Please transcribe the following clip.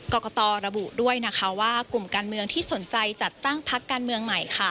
กรกตระบุด้วยนะคะว่ากลุ่มการเมืองที่สนใจจัดตั้งพักการเมืองใหม่ค่ะ